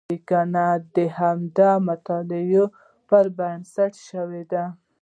لیکنه د همدې مطالعاتو پر بنسټ شوې ده.